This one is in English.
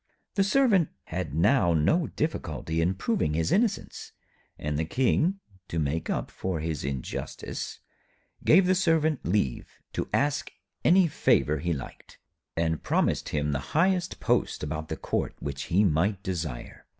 The Servant had now no difficulty in proving his innocence, and the King, to make up for his injustice, gave the Servant leave to ask any favour he liked, and promised him the highest post about the Court which he might desire.